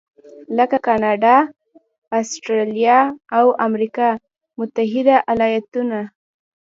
لکه کاناډا، اسټرالیا او امریکا متحده ایالتونو.